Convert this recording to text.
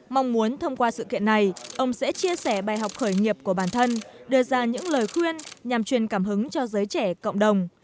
mong muốn thông qua sự kiện này ông sẽ chia sẻ bài học khởi nghiệp của bản thân đưa ra những lời khuyên nhằm truyền cảm hứng cho giới trẻ cộng đồng